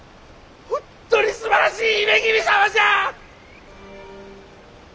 本当にすばらしい姫君様じゃ！